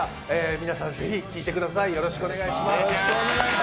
皆さん、ぜひ聴いてください。